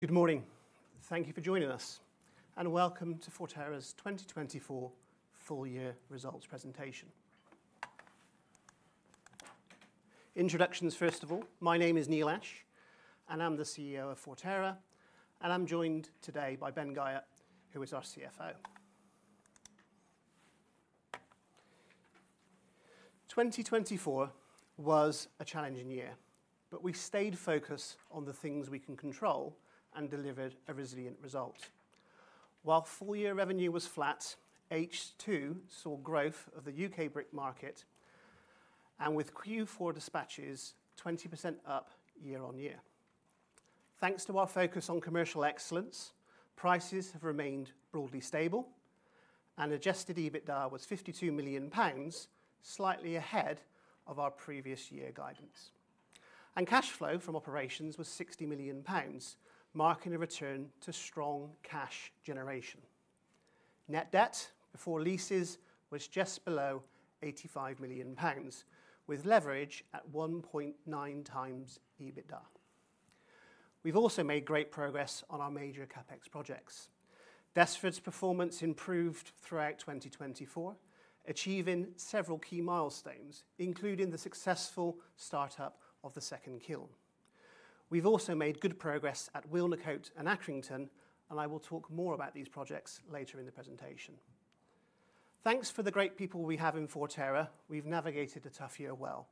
Good morning. Thank you for joining us, and welcome to Forterra's 2024 Full-Year Results Presentation. Introductions, first of all. My name is Neil Ash, and I'm the CEO of Forterra. I'm joined today by Ben Guyatt, who is our CFO. 2024 was a challenging year, but we stayed focused on the things we can control and delivered a resilient result. While full-year revenue was flat, H2 saw growth of the U.K. brick market with Q4 dispatches 20% up year on year. Thanks to our focus on commercial excellence, prices have remained broadly stable, and adjusted EBITDA was 52 million pounds, slightly ahead of our previous year guidance. Cash flow from operations was 60 million pounds, marking a return to strong cash generation. Net debt before leases was just below 85 million pounds, with leverage at 1.9 times EBITDA. We have also made great progress on our major CapEx projects. Desford's performance improved throughout 2024, achieving several key milestones, including the successful start-up of the second kiln. We have also made good progress at Wilnecote and Accrington, and I will talk more about these projects later in the presentation. Thanks to the great people we have in Forterra. We have navigated a tough year well,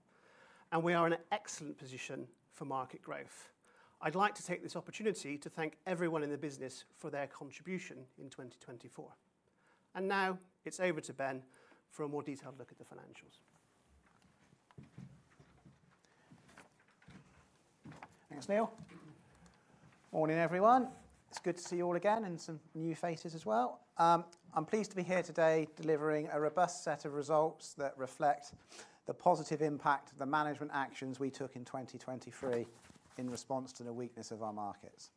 and we are in an excellent position for market growth. I would like to take this opportunity to thank everyone in the business for their contribution in 2024. Now it is over to Ben for a more detailed look at the financials. Thanks, Neil. Morning, everyone. It's good to see you all again and some new faces as well. I'm pleased to be here today delivering a robust set of results that reflect the positive impact of the management actions we took in 2023 in response to the weakness of our markets.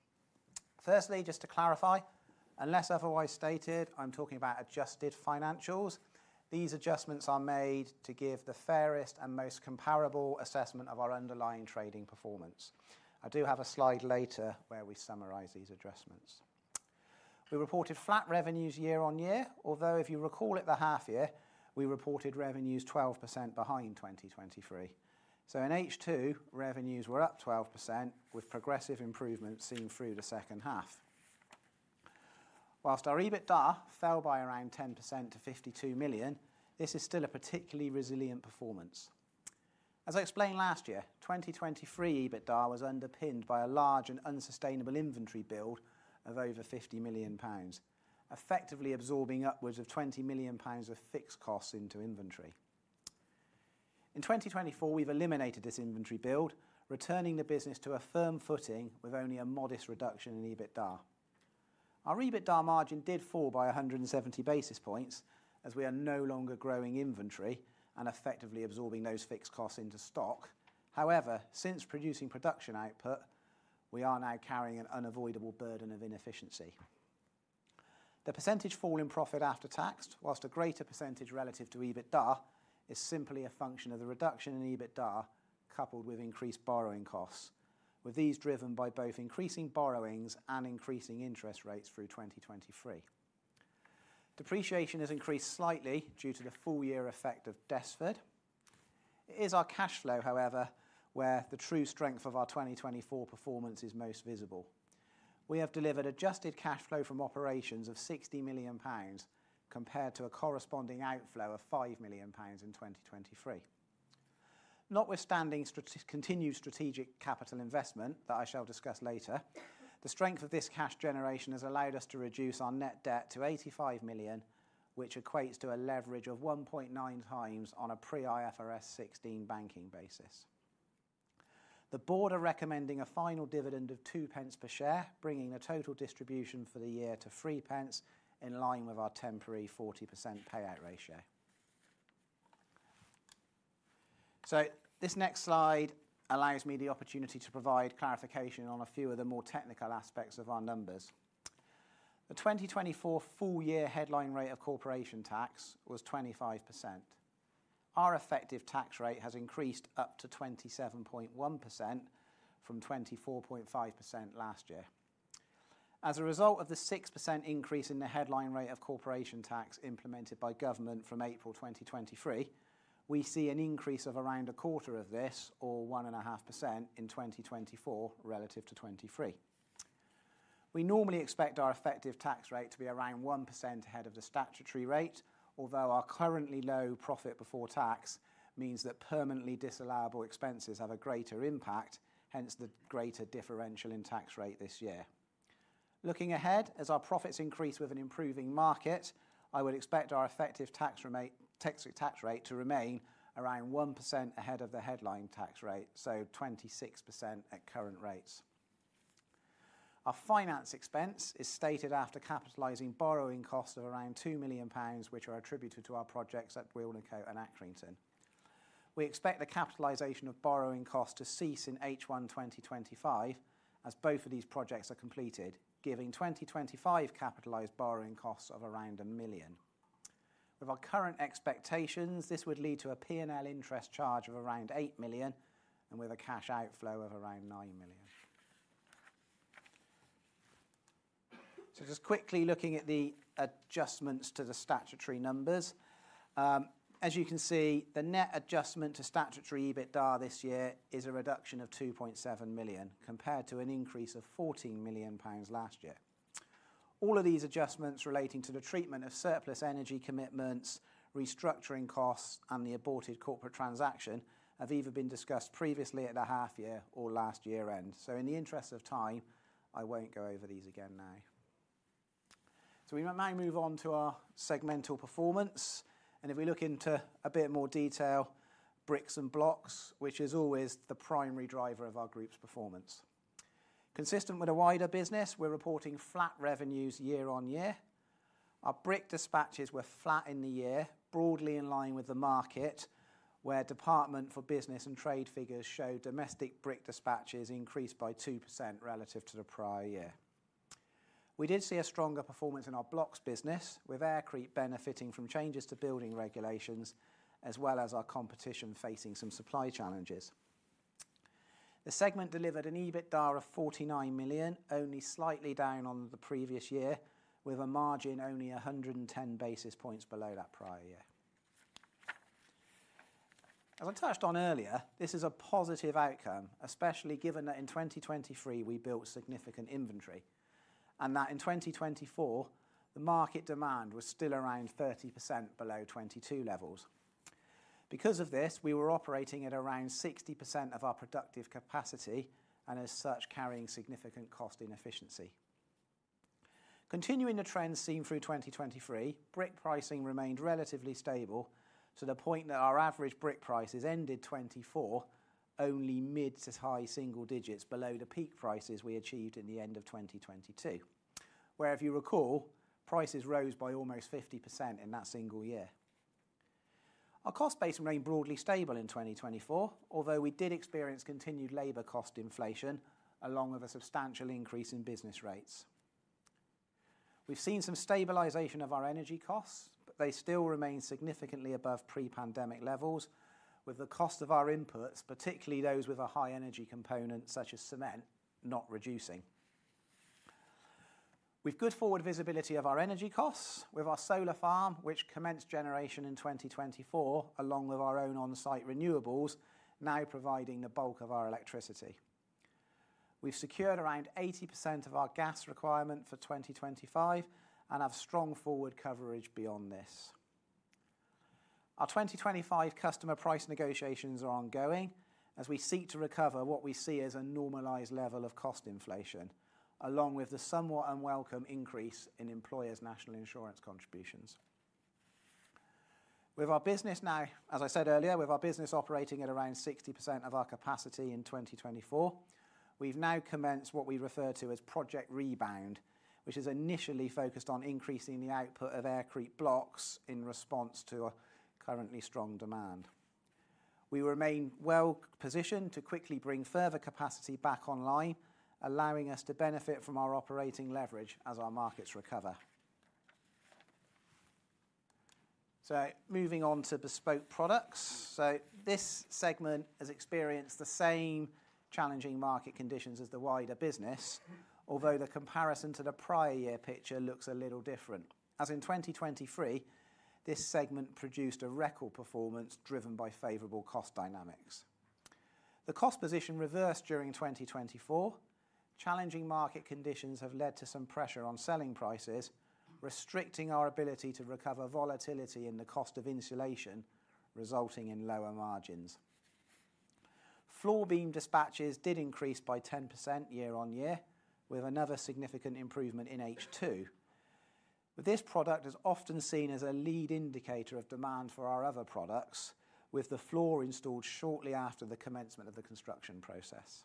Firstly, just to clarify, unless otherwise stated, I'm talking about adjusted financials. These adjustments are made to give the fairest and most comparable assessment of our underlying trading performance. I do have a slide later where we summarize these adjustments. We reported flat revenues year on year, although if you recall at the half-year, we reported revenues 12% behind 2023. In H2, revenues were up 12%, with progressive improvement seen through the second half. Whilst our EBITDA fell by around 10% to 52 million, this is still a particularly resilient performance. As I explained last year, 2023 EBITDA was underpinned by a large and unsustainable inventory build of over 50 million pounds, effectively absorbing upwards of 20 million pounds of fixed costs into inventory. In 2024, we've eliminated this inventory build, returning the business to a firm footing with only a modest reduction in EBITDA. Our EBITDA margin did fall by 170 basis points as we are no longer growing inventory and effectively absorbing those fixed costs into stock. However, since producing production output, we are now carrying an unavoidable burden of inefficiency. The percentage fall in profit after tax, whilst a greater percentage relative to EBITDA, is simply a function of the reduction in EBITDA coupled with increased borrowing costs, with these driven by both increasing borrowings and increasing interest rates through 2023. Depreciation has increased slightly due to the full-year effect of Desford. It is our cash flow, however, where the true strength of our 2024 performance is most visible. We have delivered adjusted cash flow from operations of 60 million pounds compared to a corresponding outflow of 5 million pounds in 2023. Notwithstanding continued strategic capital investment that I shall discuss later, the strength of this cash generation has allowed us to reduce our net debt to 85 million, which equates to a leverage of 1.9 times on a pre-IFRS 16 banking basis. The board are recommending a final dividend of 0.02 per share, bringing the total distribution for the year to 0.03 in line with our temporary 40% payout ratio. This next slide allows me the opportunity to provide clarification on a few of the more technical aspects of our numbers. The 2024 full-year headline rate of corporation tax was 25%. Our effective tax rate has increased up to 27.1% from 24.5% last year. As a result of the 6% increase in the headline rate of corporation tax implemented by government from April 2023, we see an increase of around a quarter of this, or 1.5%, in 2024 relative to 2023. We normally expect our effective tax rate to be around 1% ahead of the statutory rate, although our currently low profit before tax means that permanently disallowable expenses have a greater impact, hence the greater differential in tax rate this year. Looking ahead, as our profits increase with an improving market, I would expect our effective tax rate to remain around 1% ahead of the headline tax rate, so 26% at current rates. Our finance expense is stated after capitalizing borrowing costs of around 2 million pounds, which are attributed to our projects at Wilnecote and Accrington. We expect the capitalisation of borrowing costs to cease in H1 2025 as both of these projects are completed, giving 2025 capitalised borrowing costs of around 1 million. With our current expectations, this would lead to a P&L interest charge of around 8 million, and with a cash outflow of around 9 million. Just quickly looking at the adjustments to the statutory numbers, as you can see, the net adjustment to statutory EBITDA this year is a reduction of 2.7 million, compared to an increase of 14 million pounds last year. All of these adjustments relating to the treatment of surplus energy commitments, restructuring costs, and the aborted corporate transaction have either been discussed previously at the half-year or last year-end. In the interest of time, I won't go over these again now. We may move on to our segmental performance. If we look into a bit more detail, bricks and blocks, which is always the primary driver of our group's performance. Consistent with a wider business, we're reporting flat revenues year on year. Our brick dispatches were flat in the year, broadly in line with the market, where Department for Business and Trade figures show domestic brick dispatches increased by 2% relative to the prior year. We did see a stronger performance in our blocks business, with aircrete benefiting from changes to building regulations, as well as our competition facing some supply challenges. The segment delivered an EBITDA of 49 million, only slightly down on the previous year, with a margin only 110 basis points below that prior year. As I touched on earlier, this is a positive outcome, especially given that in 2023 we built significant inventory and that in 2024 the market demand was still around 30% below 2022 levels. Because of this, we were operating at around 60% of our productive capacity and as such carrying significant cost inefficiency. Continuing the trends seen through 2023, brick pricing remained relatively stable to the point that our average brick prices ended 2024 only mid to high single digits below the peak prices we achieved in the end of 2022. Where, if you recall, prices rose by almost 50% in that single year. Our cost base remained broadly stable in 2024, although we did experience continued labor cost inflation along with a substantial increase in business rates. We've seen some stabilisation of our energy costs, but they still remain significantly above pre-pandemic levels, with the cost of our inputs, particularly those with a high energy component such as cement, not reducing. We've good forward visibility of our energy costs with our solar farm, which commenced generation in 2024, along with our own on-site renewables, now providing the bulk of our electricity. We've secured around 80% of our gas requirement for 2025 and have strong forward coverage beyond this. Our 2025 customer price negotiations are ongoing as we seek to recover what we see as a normalised level of cost inflation, along with the somewhat unwelcome increase in employers' National Insurance contributions. With our business now, as I said earlier, with our business operating at around 60% of our capacity in 2024, we have now commenced what we refer to as Project Rebound, which is initially focused on increasing the output of aircrete blocks in response to currently strong demand. We remain well positioned to quickly bring further capacity back online, allowing us to benefit from our operating leverage as our markets recover. Moving on to bespoke products. This segment has experienced the same challenging market conditions as the wider business, although the comparison to the prior year picture looks a little different. As in 2023, this segment produced a record performance driven by favorable cost dynamics. The cost position reversed during 2024. Challenging market conditions have led to some pressure on selling prices, restricting our ability to recover volatility in the cost of insulation, resulting in lower margins. Floor beam dispatches did increase by 10% year on year, with another significant improvement in H2. This product is often seen as a lead indicator of demand for our other products, with the floor installed shortly after the commencement of the construction process.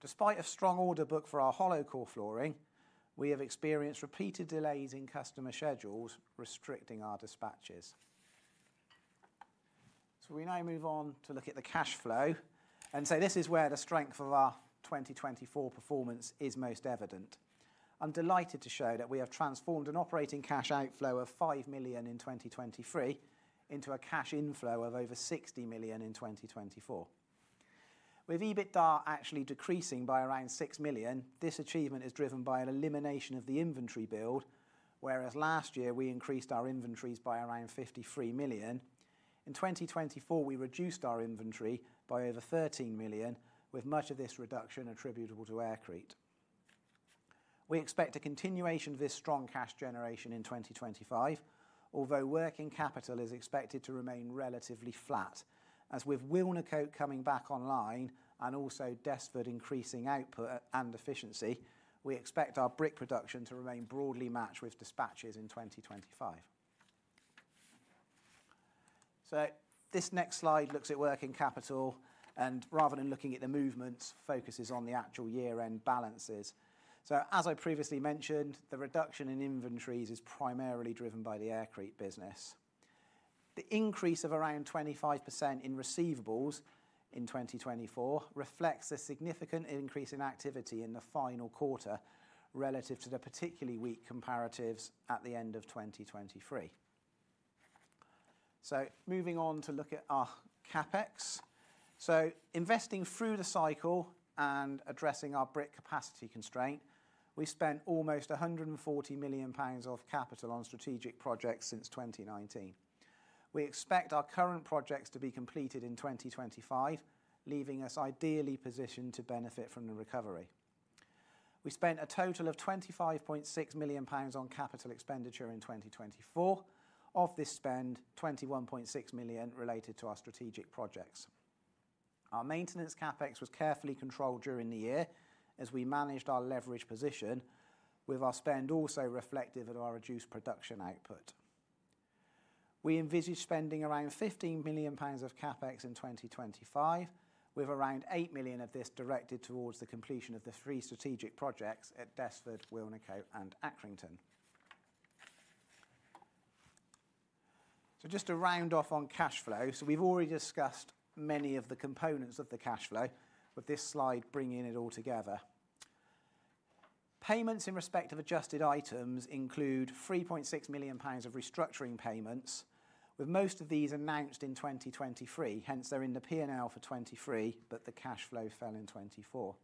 Despite a strong order book for our hollow core flooring, we have experienced repeated delays in customer schedules, restricting our dispatches. We now move on to look at the cash flow and say this is where the strength of our 2024 performance is most evident. I'm delighted to show that we have transformed an operating cash outflow of 5 million in 2023 into a cash inflow of over 60 million in 2024. With EBITDA actually decreasing by around 6 million, this achievement is driven by an elimination of the inventory build, whereas last year we increased our inventories by around 53 million. In 2024, we reduced our inventory by over 13 million, with much of this reduction attributable to aircrete. We expect a continuation of this strong cash generation in 2025, although working capital is expected to remain relatively flat. As with Wilnecote coming back online and also Desford increasing output and efficiency, we expect our brick production to remain broadly matched with dispatches in 2025. This next slide looks at working capital, and rather than looking at the movements, focuses on the actual year-end balances. As I previously mentioned, the reduction in inventories is primarily driven by the Aircrete business. The increase of around 25% in receivables in 2024 reflects a significant increase in activity in the final quarter relative to the particularly weak comparatives at the end of 2023. Moving on to look at our CapEx. Investing through the cycle and addressing our brick capacity constraint, we spent almost 140 million pounds of capital on strategic projects since 2019. We expect our current projects to be completed in 2025, leaving us ideally positioned to benefit from the recovery. We spent a total of 25.6 million pounds on capital expenditure in 2024. Of this spend, 21.6 million related to our strategic projects. Our maintenance CapEx was carefully controlled during the year as we managed our leverage position, with our spend also reflective of our reduced production output. We envisage spending around 15 million pounds of CapEx in 2025, with around 8 million of this directed towards the completion of the three strategic projects at Desford, Wilnecote, and Accrington. Just to round off on cash flow, we have already discussed many of the components of the cash flow, with this slide bringing it all together. Payments in respect of adjusted items include 3.6 million pounds of restructuring payments, with most of these announced in 2023, hence they're in the P&L for 2023, but the cash flow fell in 2024.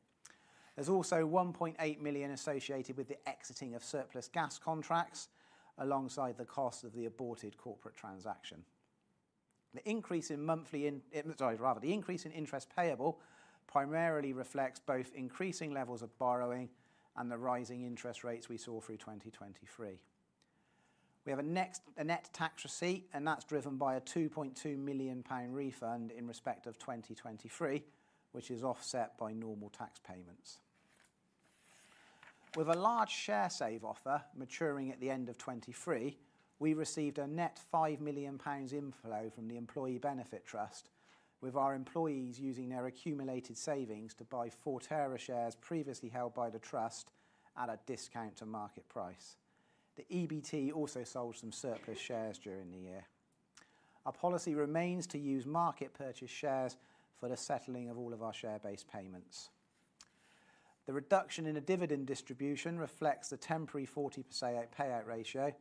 There's also 1.8 million associated with the exiting of surplus gas contracts alongside the cost of the aborted corporate transaction. The increase in interest payable primarily reflects both increasing levels of borrowing and the rising interest rates we saw through 2023. We have a net tax receipt, and that's driven by a 2.2 million pound refund in respect of 2023, which is offset by normal tax payments. With a large Sharesave offer maturing at the end of 2023, we received a net 5 million pounds inflow from the Employee Benefit Trust, with our employees using their accumulated savings to buy Forterra shares previously held by the trust at a discount to market price. The EBT also sold some surplus shares during the year. Our policy remains to use market purchase shares for the settling of all of our share-based payments. The reduction in the dividend distribution reflects the temporary 40% payout ratio,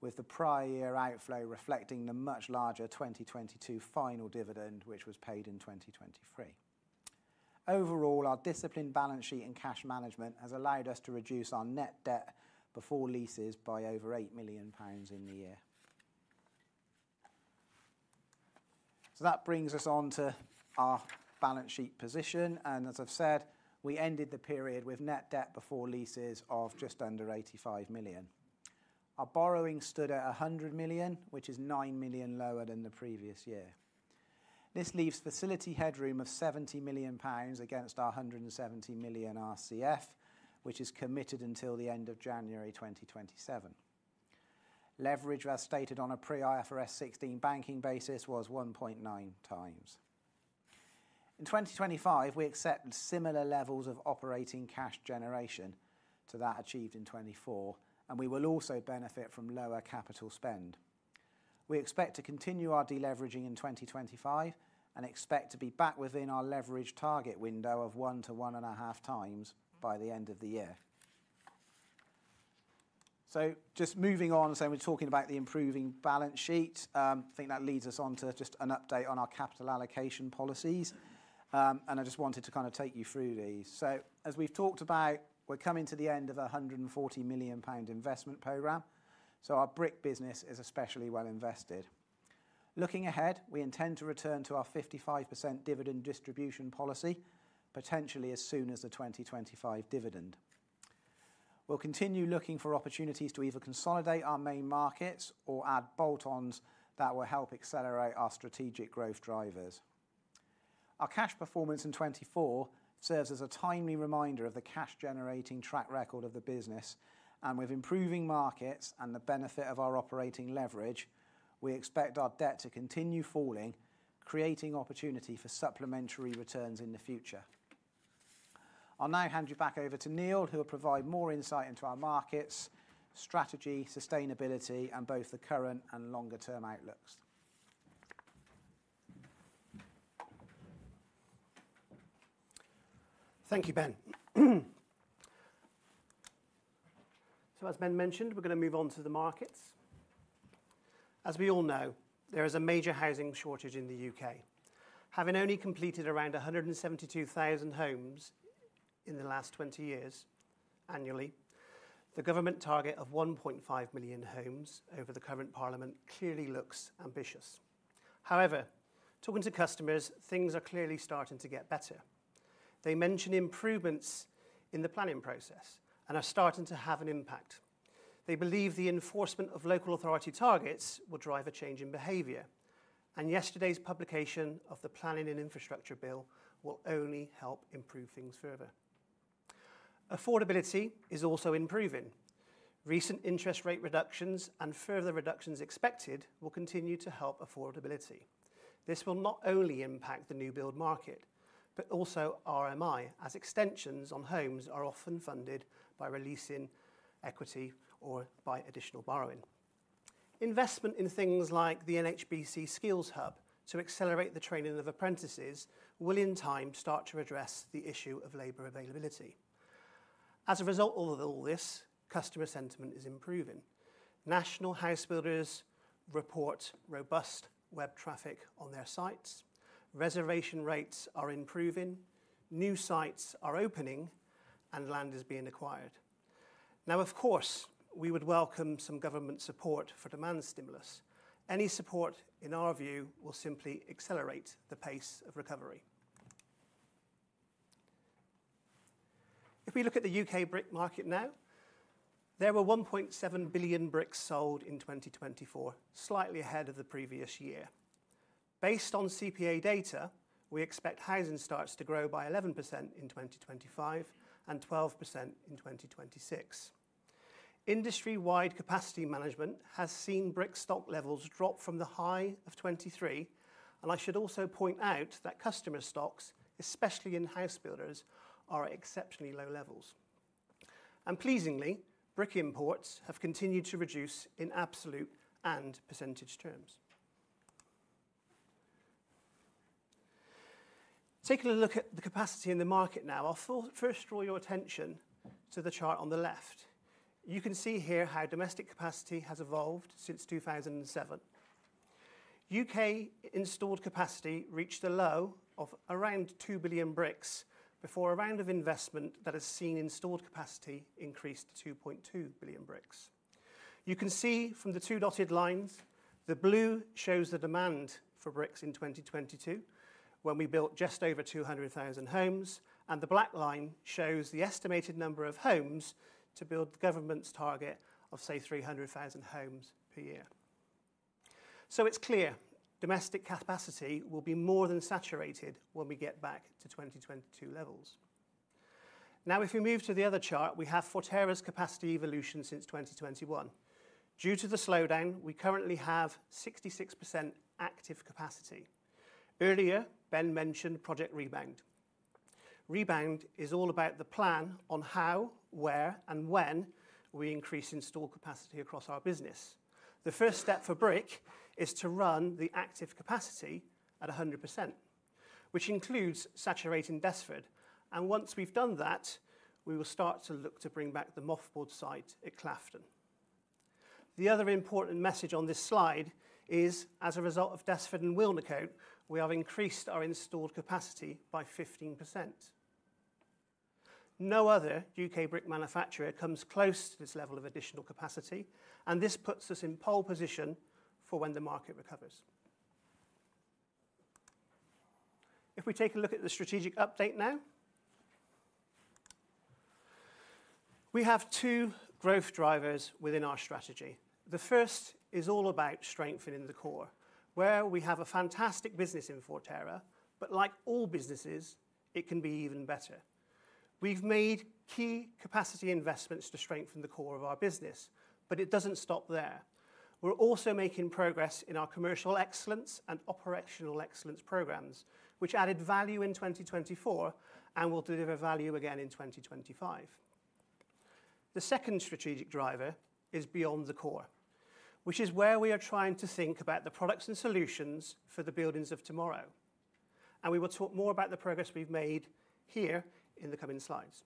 with the prior year outflow reflecting the much larger 2022 final dividend, which was paid in 2023. Overall, our disciplined balance sheet and cash management has allowed us to reduce our net debt before leases by over 8 million pounds in the year. That brings us on to our balance sheet position. As I've said, we ended the period with net debt before leases of just under 85 million. Our borrowing stood at 100 million, which is 9 million lower than the previous year. This leaves facility headroom of 70 million pounds against our 170 million RCF, which is committed until the end of January 2027. Leverage, as stated on a pre-IFRS 16 banking basis, was 1.9 times. In 2025, we accept similar levels of operating cash generation to that achieved in 2024, and we will also benefit from lower capital spend. We expect to continue our deleveraging in 2025 and expect to be back within our leverage target window of one to one and a half times by the end of the year. Just moving on, we're talking about the improving balance sheet. I think that leads us on to just an update on our capital allocation policies, and I just wanted to kind of take you through these. As we have talked about, we are coming to the end of a 140 million pound investment programme. Our brick business is especially well invested. Looking ahead, we intend to return to our 55% dividend distribution policy, potentially as soon as the 2025 dividend. We will continue looking for opportunities to either consolidate our main markets or add bolt-ons that will help accelerate our strategic growth drivers. Our cash performance in 2024 serves as a timely reminder of the cash-generating track record of the business, and with improving markets and the benefit of our operating leverage, we expect our debt to continue falling, creating opportunity for supplementary returns in the future. I'll now hand you back over to Neil, who will provide more insight into our markets, strategy, sustainability, and both the current and longer-term outlooks. Thank you, Ben. As Ben mentioned, we're going to move on to the markets. As we all know, there is a major housing shortage in the U.K. Having only completed around 172,000 homes in the last 20 years annually, the government target of 1.5 million homes over the current parliament clearly looks ambitious. However, talking to customers, things are clearly starting to get better. They mention improvements in the planning process and are starting to have an impact. They believe the enforcement of local authority targets will drive a change in behavior, and yesterday's publication of the Planning and Infrastructure Bill will only help improve things further. Affordability is also improving. Recent interest rate reductions and further reductions expected will continue to help affordability. This will not only impact the new build market, but also RMI, as extensions on homes are often funded by releasing equity or by additional borrowing. Investment in things like the NHBC Skills Hub to accelerate the training of apprentices will, in time, start to address the issue of labor availability. As a result of all this, customer sentiment is improving. National housebuilders report robust web traffic on their sites. Reservation rates are improving. New sites are opening and land is being acquired. Now, of course, we would welcome some government support for demand stimulus. Any support, in our view, will simply accelerate the pace of recovery. If we look at the U.K. brick market now, there were 1.7 billion bricks sold in 2024, slightly ahead of the previous year. Based on CPA data, we expect housing starts to grow by 11% in 2025 and 12% in 2026. Industry-wide capacity management has seen brick stock levels drop from the high of 2023, and I should also point out that customer stocks, especially in housebuilders, are at exceptionally low levels. Pleasingly, brick imports have continued to reduce in absolute and percentage terms. Taking a look at the capacity in the market now, I'll first draw your attention to the chart on the left. You can see here how domestic capacity has evolved since 2007. U.K. installed capacity reached a low of around 2 billion bricks before a round of investment that has seen installed capacity increase to 2.2 billion bricks. You can see from the two dotted lines, the blue shows the demand for bricks in 2022 when we built just over 200,000 homes, and the black line shows the estimated number of homes to build the government's target of, say, 300,000 homes per year. It is clear domestic capacity will be more than saturated when we get back to 2022 levels. If we move to the other chart, we have Forterra's capacity evolution since 2021. Due to the slowdown, we currently have 66% active capacity. Earlier, Ben mentioned Project Rebound. Rebound is all about the plan on how, where, and when we increase installed capacity across our business. The first step for brick is to run the active capacity at 100%, which includes saturating Desford. Once we have done that, we will start to look to bring back the mothballed site at Swillington. The other important message on this slide is, as a result of Desford and Wilnecote, we have increased our installed capacity by 15%. No other U.K. brick manufacturer comes close to this level of additional capacity, and this puts us in pole position for when the market recovers. If we take a look at the strategic update now, we have two growth drivers within our strategy. The first is all about strengthening the core, where we have a fantastic business in Forterra, but like all businesses, it can be even better. We've made key capacity investments to strengthen the core of our business, but it doesn't stop there. We're also making progress in our commercial excellence and operational excellence programmes, which added value in 2024 and will deliver value again in 2025. The second strategic driver is beyond the core, which is where we are trying to think about the products and solutions for the buildings of tomorrow. We will talk more about the progress we've made here in the coming slides.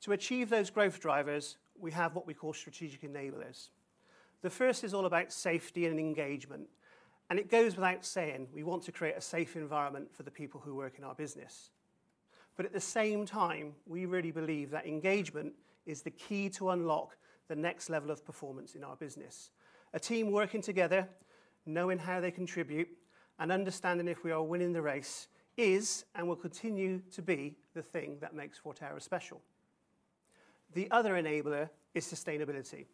To achieve those growth drivers, we have what we call strategic enablers. The first is all about safety and engagement, and it goes without saying, we want to create a safe environment for the people who work in our business. At the same time, we really believe that engagement is the key to unlock the next level of performance in our business. A team working together, knowing how they contribute and understanding if we are winning the race is and will continue to be the thing that makes Forterra special. The other enabler is sustainability,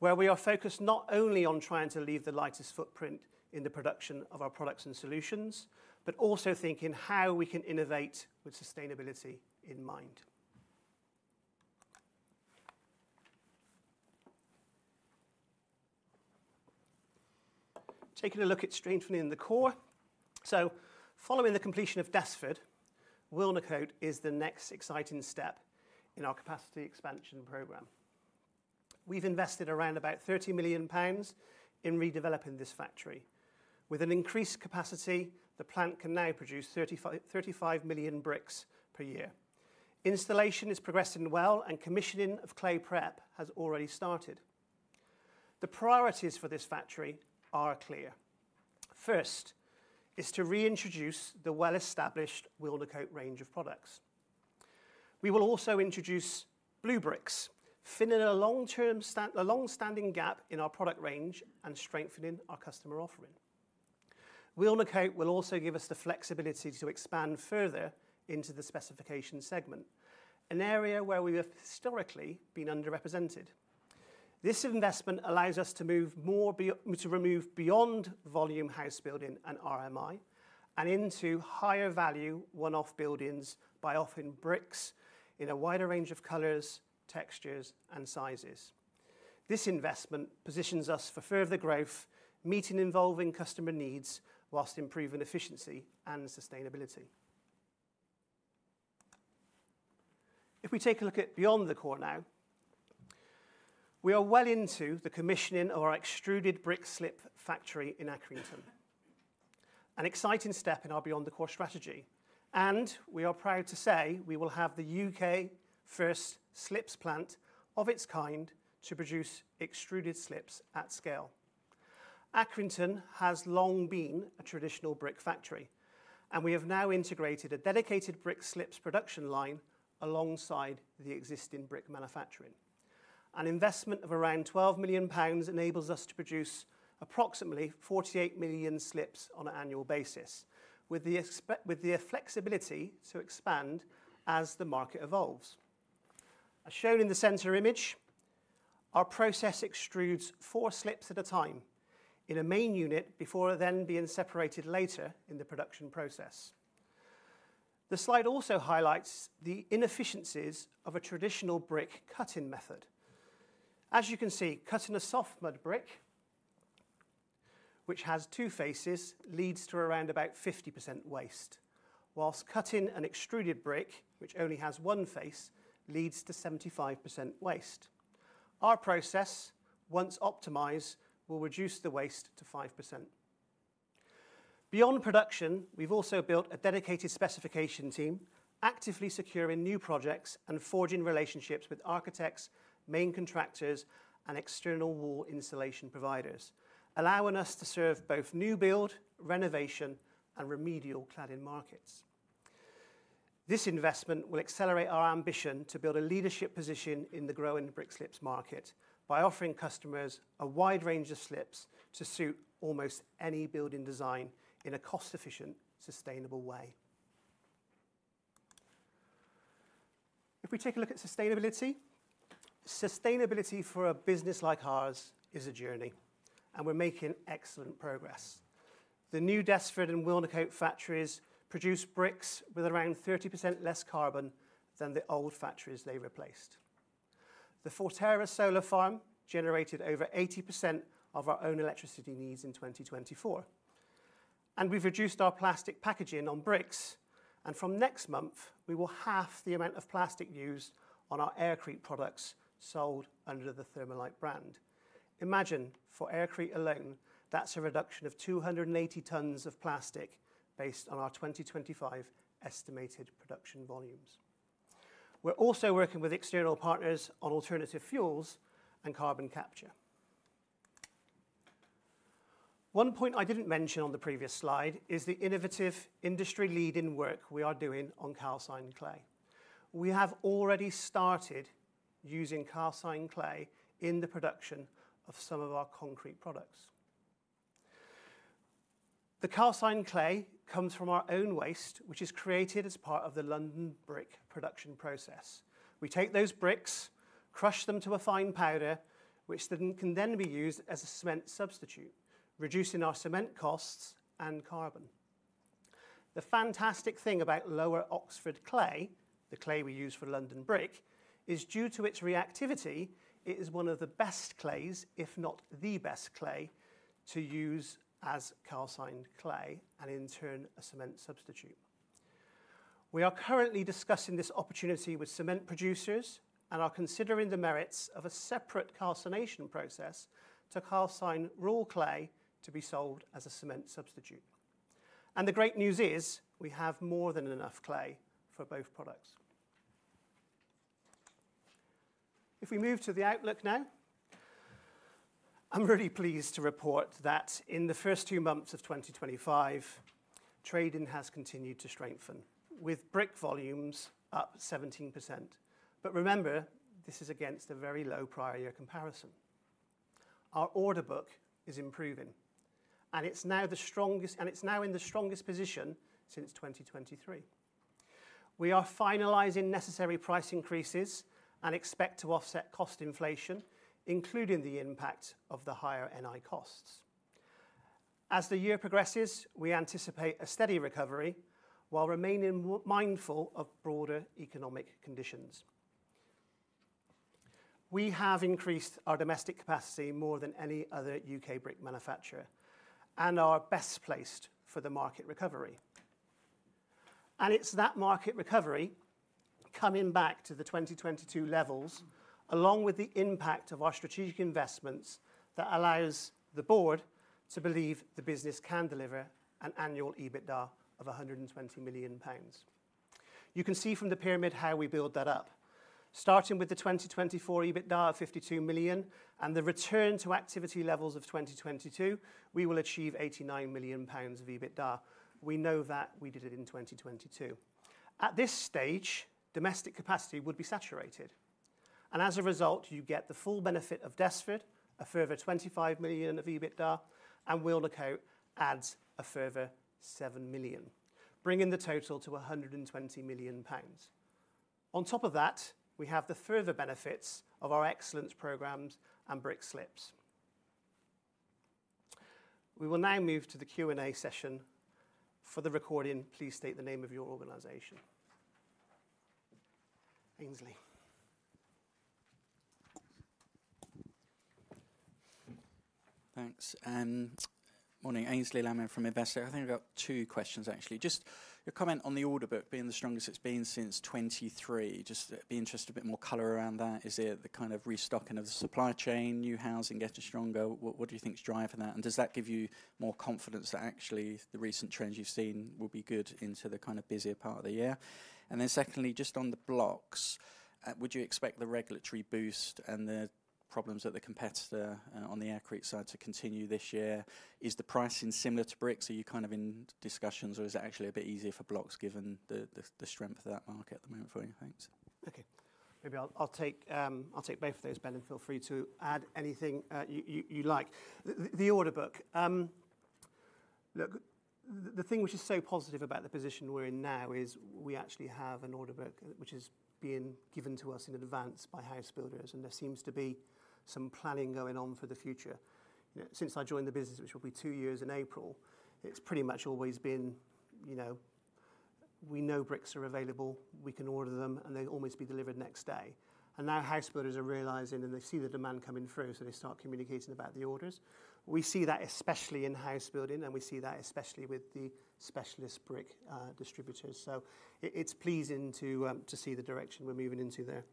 where we are focused not only on trying to leave the lightest footprint in the production of our products and solutions, but also thinking how we can innovate with sustainability in mind. Taking a look at strengthening the core. Following the completion of Desford, Wilnecote is the next exciting step in our capacity expansion programme. We've invested around about 30 million pounds in redeveloping this factory. With an increased capacity, the plant can now produce 35 million bricks per year. Installation is progressing well, and commissioning of clay prep has already started. The priorities for this factory are clear. First is to reintroduce the well-established Wilnecote range of products. We will also introduce blue bricks, filling a long-standing gap in our product range and strengthening our customer offering. Wilnecote will also give us the flexibility to expand further into the specification segment, an area where we have historically been underrepresented. This investment allows us to move more to remove beyond volume housebuilding and RMI and into higher value one-off buildings by offering bricks in a wider range of colors, textures, and sizes. This investment positions us for further growth, meeting evolving customer needs whilst improving efficiency and sustainability. If we take a look at beyond the core now, we are well into the commissioning of our extruded brick slip factory in Accrington, an exciting step in our beyond the core strategy. We are proud to say we will have the U.K. first slips plant of its kind to produce extruded slips at scale. Accrington has long been a traditional brick factory, and we have now integrated a dedicated brick slips production line alongside the existing brick manufacturing. An investment of 12 million pounds enables us to produce approximately 48 million slips on an annual basis, with the flexibility to expand as the market evolves. As shown in the center image, our process extrudes four slips at a time in a main unit before then being separated later in the production process. The slide also highlights the inefficiencies of a traditional brick cutting method. As you can see, cutting a soft mud brick, which has two faces, leads to around about 50% waste, whilst cutting an extruded brick, which only has one face, leads to 75% waste. Our process, once optimized, will reduce the waste to 5%. Beyond production, we've also built a dedicated specification team, actively securing new projects and forging relationships with architects, main contractors, and external wall insulation providers, allowing us to serve both new build, renovation, and remedial cladding markets. This investment will accelerate our ambition to build a leadership position in the growing brick slips market by offering customers a wide range of slips to suit almost any building design in a cost-efficient, sustainable way. If we take a look at sustainability, sustainability for a business like ours is a journey, and we're making excellent progress. The new Desford and Wilnecote factories produce bricks with around 30% less carbon than the old factories they replaced. The Forterra Solar Farm generated over 80% of our own electricity needs in 2024. We have reduced our plastic packaging on bricks. From next month, we will halve the amount of plastic used on our aircrete products sold under the Thermalite brand. Imagine for aircrete alone, that is a reduction of 280 tonnes of plastic based on our 2025 estimated production volumes. We are also working with external partners on alternative fuels and carbon capture. One point I did not mention on the previous slide is the innovative industry-leading work we are doing on calcined clay. We have already started using calcined clay in the production of some of our concrete products. The calcined clay comes from our own waste, which is created as part of the London Bricks production process. We take those bricks, crush them to a fine powder, which can then be used as a cement substitute, reducing our cement costs and carbon. The fantastic thing about lower Oxford clay, the clay we use for London Brick, is due to its reactivity, it is one of the best clays, if not the best clay, to use as calcined clay and in turn a cement substitute. We are currently discussing this opportunity with cement producers and are considering the merits of a separate calcination process to calcine raw clay to be sold as a cement substitute. The great news is we have more than enough clay for both products. If we move to the outlook now, I'm really pleased to report that in the first two months of 2025, trading has continued to strengthen, with brick volumes up 17%. Remember, this is against a very low prior year comparison. Our order book is improving, and it is now in the strongest position since 2023. We are finalizing necessary price increases and expect to offset cost inflation, including the impact of the higher NI costs. As the year progresses, we anticipate a steady recovery while remaining mindful of broader economic conditions. We have increased our domestic capacity more than any other U.K. brick manufacturer and are best placed for the market recovery. It is that market recovery coming back to the 2022 levels, along with the impact of our strategic investments, that allows the board to believe the business can deliver an annual EBITDA of 120 million pounds. You can see from the pyramid how we build that up. Starting with the 2024 EBITDA of 52 million and the return to activity levels of 2022, we will achieve 89 million pounds of EBITDA. We know that we did it in 2022. At this stage, domestic capacity would be saturated. As a result, you get the full benefit of Desford, a further 25 million of EBITDA, and Wilnecote adds a further 7 million, bringing the total to 120 million pounds. On top of that, we have the further benefits of our excellence programmes and brick slips. We will now move to the Q&A session. For the recording, please state the name of your organisation. Aynsley. Thanks. Morning, Aynsley Lammin from Investec. I think we've got two questions, actually. Just your comment on the order book being the strongest it's been since 2023, just be interested in a bit more color around that. Is it the kind of restocking of the supply chain, new housing getting stronger? What do you think is driving that? Does that give you more confidence that actually the recent trends you have seen will be good into the kind of busier part of the year? Secondly, just on the blocks, would you expect the regulatory boost and the problems that the competitor on the aircrete side to continue this year? Is the pricing similar to brick? Are you kind of in discussions, or is it actually a bit easier for blocks given the strength of that market at the moment for you? Thanks. Okay. Maybe I will take both of those, Ben, and feel free to add anything you like. The order book. Look, the thing which is so positive about the position we are in now is we actually have an order book which is being given to us in advance by housebuilders, and there seems to be some planning going on for the future. Since I joined the business, which will be two years in April, it has pretty much always been we know bricks are available, we can order them, and they will almost be delivered next day. Now housebuilders are realizing and they see the demand coming through, so they start communicating about the orders. We see that especially in housebuilding, and we see that especially with the specialist brick distributors. It is pleasing to see the direction we are moving into there.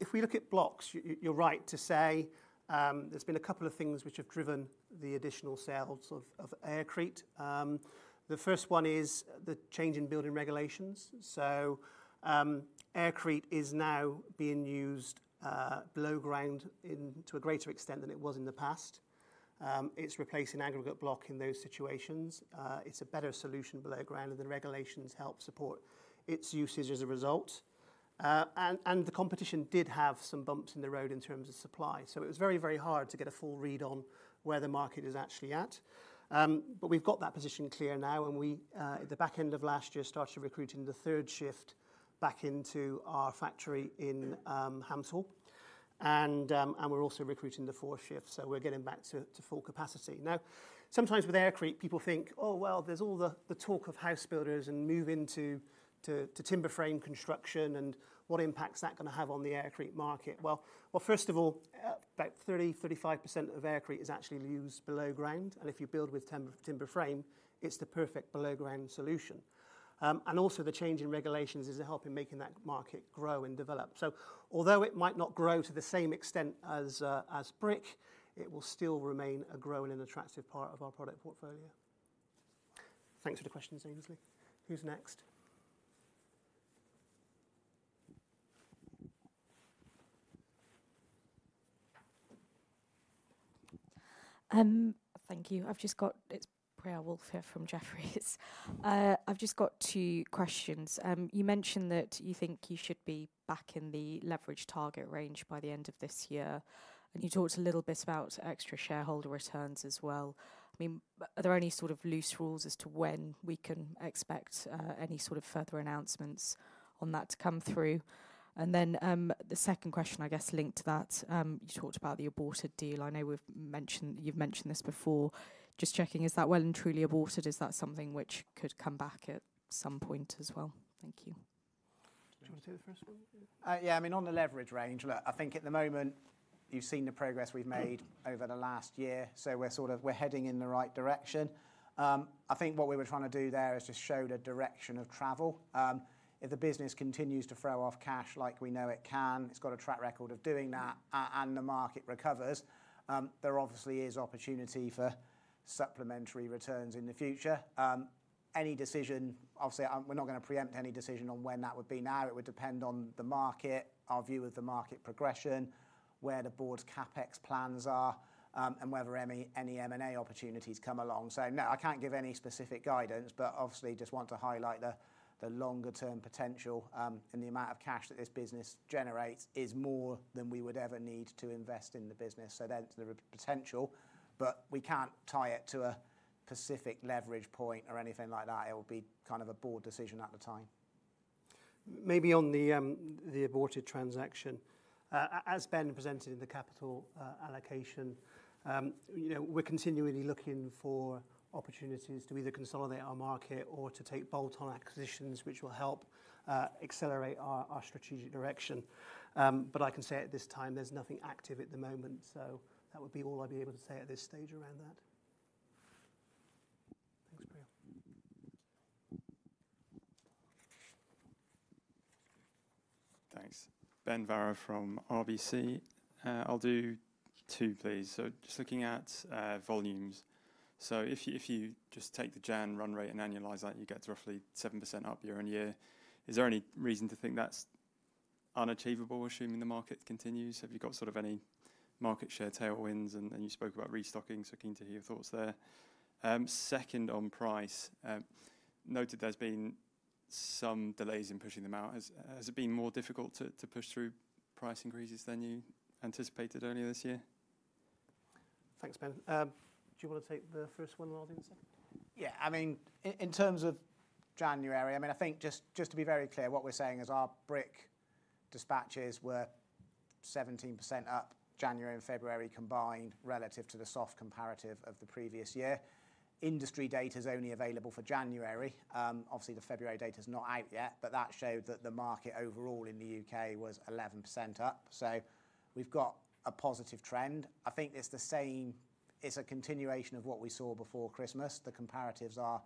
If we look at blocks, you are right to say there have been a couple of things which have driven the additional sales of aircrete. The first one is the change in building regulations. Aircrete is now being used below ground to a greater extent than it was in the past. It is replacing aggregate block in those situations. It is a better solution below ground, and the regulations help support its uses as a result. The competition did have some bumps in the road in terms of supply. It was very, very hard to get a full read on where the market is actually at. We have got that position clear now, and we at the back end of last year started recruiting the third shift back into our factory in Hampshire. We are also recruiting the fourth shift, so we are getting back to full capacity. Now, sometimes with aircrete, people think, "Oh, well, there's all the talk of housebuilders and moving to timber frame construction, and what impact's that going to have on the aircrete market?" First of all, about 30-35% of aircrete is actually used below ground. If you build with timber frame, it's the perfect below ground solution. Also, the change in regulations is helping make that market grow and develop. Although it might not grow to the same extent as brick, it will still remain a growing and attractive part of our product portfolio. Thanks for the questions, Aynsley. Who's next? Thank you. It's Priyal Woolf here from Jefferies. I've just got two questions. You mentioned that you think you should be back in the leverage target range by the end of this year. You talked a little bit about extra shareholder returns as well. I mean, are there any sort of loose rules as to when we can expect any sort of further announcements on that to come through? The second question, I guess linked to that, you talked about the aborted deal. I know you've mentioned this before. Just checking, is that well and truly aborted? Is that something which could come back at some point as well? Thank you. Do you want to take the first one? Yeah, I mean, on the leverage range, look, I think at the moment you've seen the progress we've made over the last year, so we're heading in the right direction. I think what we were trying to do there is just show the direction of travel. If the business continues to throw off cash like we know it can, it's got a track record of doing that, and the market recovers, there obviously is opportunity for supplementary returns in the future. Any decision, obviously, we're not going to preempt any decision on when that would be now. It would depend on the market, our view of the market progression, where the board's CapEx plans are, and whether any M&A opportunities come along. No, I can't give any specific guidance, but obviously just want to highlight the longer-term potential in the amount of cash that this business generates is more than we would ever need to invest in the business. That's the potential, but we can't tie it to a specific leverage point or anything like that. It will be kind of a board decision at the time. Maybe on the aborted transaction, as Ben presented in the capital allocation, we're continually looking for opportunities to either consolidate our market or to take bolt-on acquisitions, which will help accelerate our strategic direction. I can say at this time there's nothing active at the moment. That would be all I'd be able to say at this stage around that. Thanks, Priyal. Thanks. Ben Varrow from RBC. I'll do two, please. Just looking at volumes. If you just take the January run rate and annualize that, you get roughly 7% up year on year. Is there any reason to think that's unachievable, assuming the market continues? Have you got sort of any market share tailwinds? You spoke about restocking, so keen to hear your thoughts there. Second, on price, noted there's been some delays in pushing them out. Has it been more difficult to push through price increases than you anticipated earlier this year? Thanks, Ben. Do you want to take the first one in the audience? Yeah, I mean, in terms of January, I mean, I think just to be very clear, what we're saying is our brick dispatches were 17% up January and February combined relative to the soft comparative of the previous year. Industry data is only available for January. Obviously, the February data is not out yet, but that showed that the market overall in the U.K. was 11% up. We have a positive trend. I think it is the same; it is a continuation of what we saw before Christmas. The comparatives are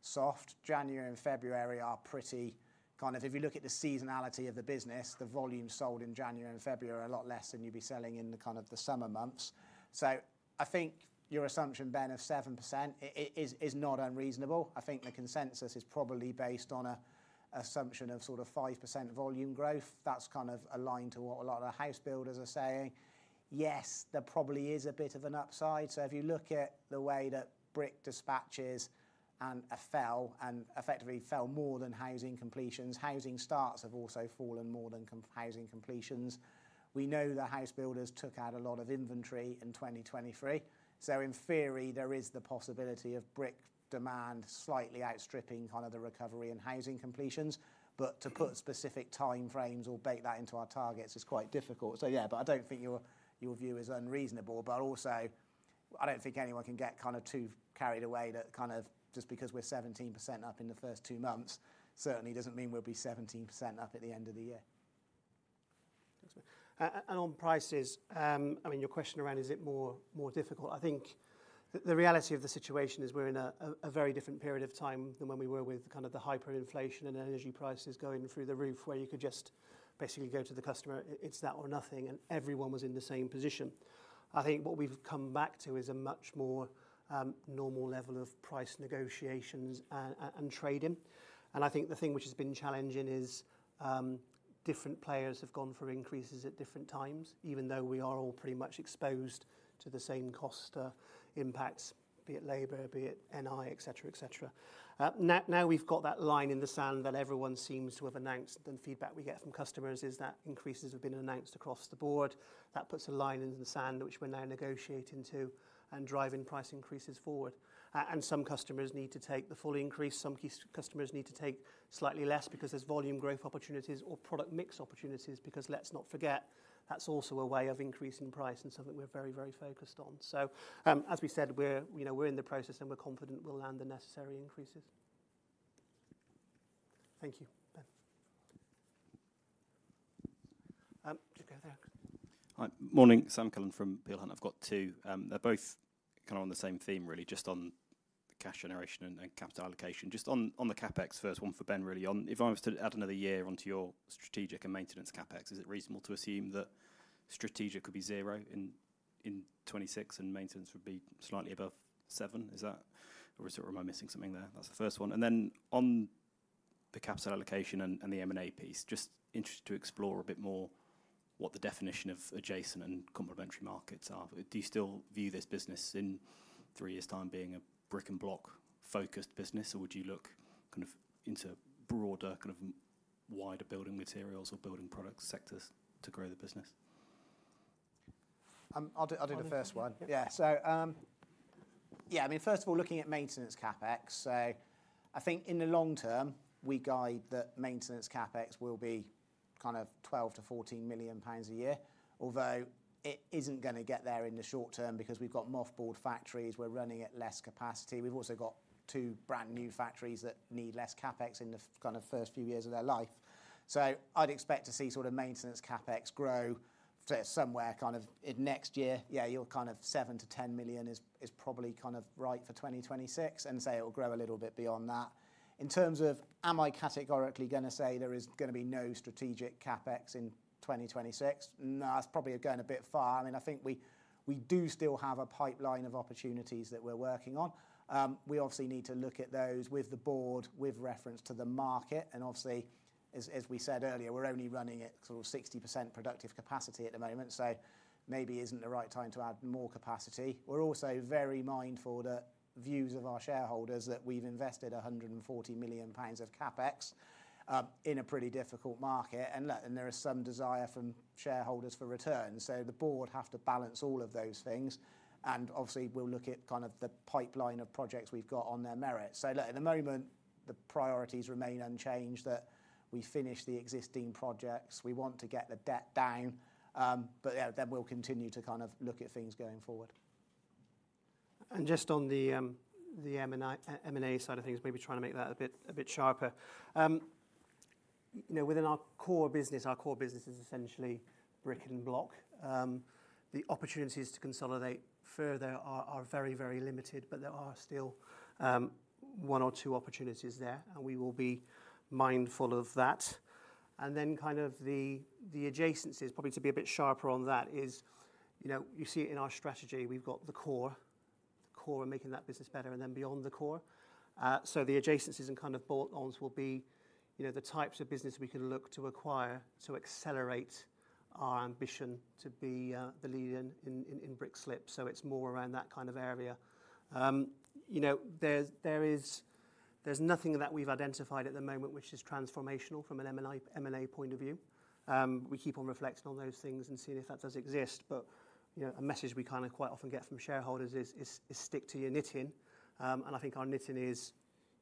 soft. January and February are pretty kind of, if you look at the seasonality of the business, the volume sold in January and February are a lot less than you'd be selling in the kind of the summer months. I think your assumption, Ben, of 7% is not unreasonable. I think the consensus is probably based on an assumption of sort of 5% volume growth. That's kind of aligned to what a lot of the housebuilders are saying. Yes, there probably is a bit of an upside. If you look at the way that brick dispatches and fell and effectively fell more than housing completions, housing starts have also fallen more than housing completions. We know that housebuilders took out a lot of inventory in 2023. In theory, there is the possibility of brick demand slightly outstripping kind of the recovery in housing completions. To put specific timeframes or bake that into our targets is quite difficult. Yeah, I do not think your view is unreasonable. I do not think anyone can get kind of too carried away that just because we are 17% up in the first two months, it certainly does not mean we will be 17% up at the end of the year. Thanks, Ben. On prices, I mean, your question around is it more difficult? I think the reality of the situation is we are in a very different period of time than when we were with the hyperinflation and energy prices going through the roof where you could just basically go to the customer, "It is that or nothing," and everyone was in the same position. I think what we have come back to is a much more normal level of price negotiations and trading. I think the thing which has been challenging is different players have gone for increases at different times, even though we are all pretty much exposed to the same cost impacts, be it labor, be it NI, etc., etc. Now we have that line in the sand that everyone seems to have announced, and feedback we get from customers is that increases have been announced across the board. That puts a line in the sand which we are now negotiating to and driving price increases forward. Some customers need to take the full increase. Some customers need to take slightly less because there are volume growth opportunities or product mix opportunities because let's not forget, that is also a way of increasing price and something we are very, very focused on. As we said, we are in the process and we are confident we will land the necessary increases. Thank you, Ben.Just go there. Hi. Morning, Sam Cullen from Peel Hunt. I've got two. They're both kind of on the same theme, really, just on cash generation and capital allocation. Just on the CapEx first, one for Ben really on, if I was to add another year onto your strategic and maintenance CapEx, is it reasonable to assume that strategic would be zero in 2026 and maintenance would be slightly above seven? Is that, or is it am I missing something there? That's the first one. And then on the capital allocation and the M&A piece, just interested to explore a bit more what the definition of adjacent and complementary markets are. Do you still view this business in three years' time being a brick-and-block focused business, or would you look kind of into broader, kind of wider building materials or building products sectors to grow the business? I'll do the first one. Yeah. So yeah, I mean, first of all, looking at maintenance CapEx, I think in the long term, we guide that maintenance CapEx will be kind of 12 million-14 million pounds a year, although it is not going to get there in the short term because we have got mothballed factories. We are running at less capacity. We have also got two brand new factories that need less CapEx in the first few years of their life. I would expect to see maintenance CapEx grow somewhere next year. Yeah, your 7 million-10 million is probably right for 2026, and it will grow a little bit beyond that. In terms of, am I categorically going to say there is going to be no strategic CapEx in 2026? No, that is probably going a bit far. I mean, I think we do still have a pipeline of opportunities that we're working on. We obviously need to look at those with the board, with reference to the market. Obviously, as we said earlier, we're only running at sort of 60% productive capacity at the moment, so maybe it is not the right time to add more capacity. We're also very mindful of the views of our shareholders that we've invested 140 million pounds of CapEx in a pretty difficult market, and there is some desire from shareholders for returns. The board has to balance all of those things. Obviously, we'll look at kind of the pipeline of projects we've got on their merit. At the moment, the priorities remain unchanged that we finish the existing projects. We want to get the debt down, but then we'll continue to kind of look at things going forward. Just on the M&A side of things, maybe trying to make that a bit sharper. Within our core business, our core business is essentially brick and block. The opportunities to consolidate further are very, very limited, but there are still one or two opportunities there, and we will be mindful of that. The adjacencies, probably to be a bit sharper on that, is you see it in our strategy. We've got the core, the core and making that business better, and then beyond the core. The adjacencies and kind of bolt-ons will be the types of business we can look to acquire to accelerate our ambition to be the leader in brick slips. It's more around that kind of area. There's nothing that we've identified at the moment which is transformational from an M&A point of view. We keep on reflecting on those things and seeing if that does exist. A message we kind of quite often get from shareholders is stick to your knitting. I think our knitting is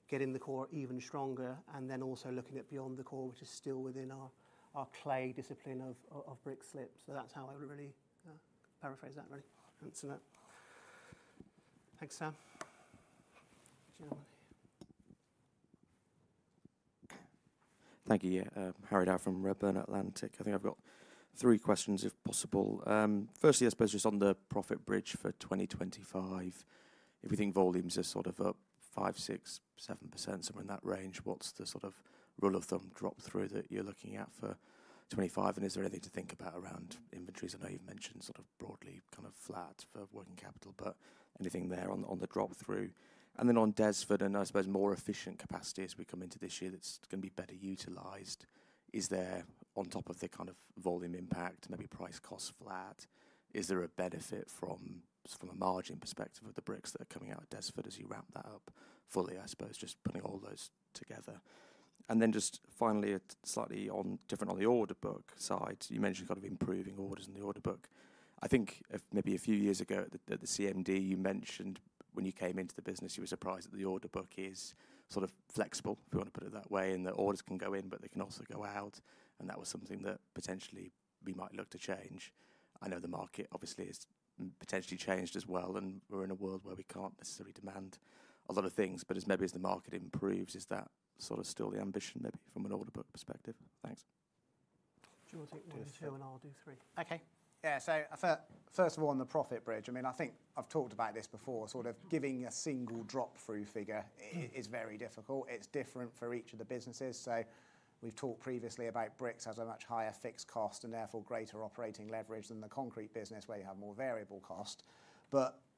getting the core even stronger and then also looking at beyond the core, which is still within our clay discipline of brick slips. That's how I would really paraphrase that, really. Thanks, Sam. Thank you. Harry Read from Redburn Atlantic. I think I've got three questions, if possible. Firstly, I suppose just on the profit bridge for 2025, if we think volumes are sort of up 5-7%, somewhere in that range, what's the sort of rule of thumb drop-through that you're looking at for 2025? Is there anything to think about around inventories? I know you've mentioned sort of broadly kind of flat for working capital, but anything there on the drop-through? On Desford, and I suppose more efficient capacity as we come into this year that's going to be better utilized, is there on top of the kind of volume impact, maybe price cost flat, is there a benefit from a margin perspective of the bricks that are coming out of Desford as you ramp that up fully, I suppose, just putting all those together? Just finally, slightly different on the order book side, you mentioned kind of improving orders in the order book. I think maybe a few years ago at the CMD, you mentioned when you came into the business, you were surprised that the order book is sort of flexible, if you want to put it that way, and the orders can go in, but they can also go out. That was something that potentially we might look to change. I know the market obviously has potentially changed as well, and we are in a world where we cannot necessarily demand a lot of things. As maybe as the market improves, is that sort of still the ambition maybe from an order book perspective? Thanks. Do you want to take one or two and I will do three? Okay. Yeah. First of all, on the profit bridge, I mean, I think I have talked about this before. Sort of giving a single drop-through figure is very difficult. It's different for each of the businesses. We've talked previously about bricks as a much higher fixed cost and therefore greater operating leverage than the concrete business where you have more variable cost.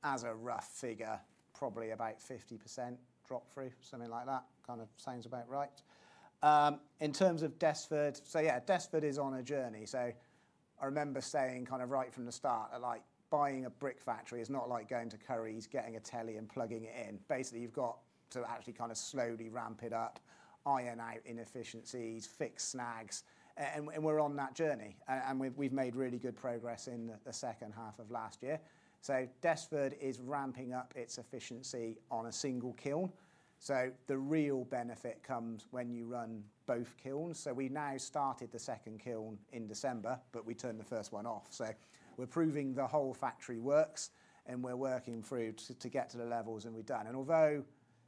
As a rough figure, probably about 50% drop-through, something like that. Kind of sounds about right. In terms of Desford, Desford is on a journey. I remember saying right from the start that buying a brick factory is not like going to Currys, getting a telly and plugging it in. Basically, you've got to actually slowly ramp it up, iron out inefficiencies, fix snags. We're on that journey, and we've made really good progress in the second half of last year. Desford is ramping up its efficiency on a single kiln. The real benefit comes when you run both kilns. We now started the second kiln in December, but we turned the first one off. We are proving the whole factory works, and we are working through to get to the levels and we are done. Although,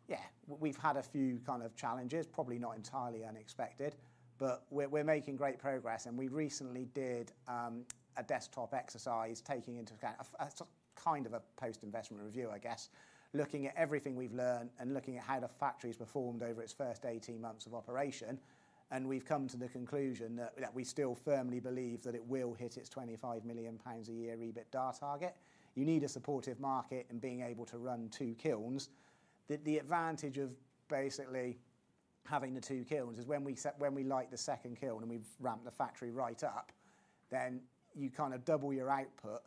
yeah, we have had a few kind of challenges, probably not entirely unexpected, but we are making great progress. We recently did a desktop exercise taking into account kind of a post-investment review, I guess, looking at everything we have learned and looking at how the factory has performed over its first 18 months of operation. We have come to the conclusion that we still firmly believe that it will hit its 25 million pounds a year EBITDA target. You need a supportive market and being able to run two kilns. The advantage of basically having the two kilns is when we light the second kiln and we've ramped the factory right up, you kind of double your output,